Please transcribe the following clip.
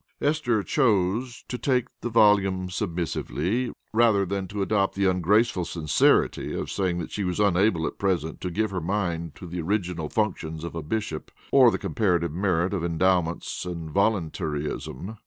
Esther chose to take the volume submissively, rather than to adopt the ungraceful sincerity of saying that she was unable at present to give her mind to the original functions of a bishop or the comparative merit of Endowments and Voluntaryism.